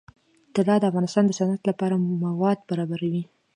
طلا د افغانستان د صنعت لپاره مواد برابروي.